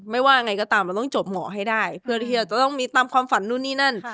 ว่าไงก็ตามมันต้องจบหมอให้ได้เพื่อที่เราจะต้องมีตามความฝันนู่นนี่นั่น